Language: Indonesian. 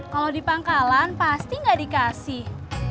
kalau di pangkalan pasti nggak dikasih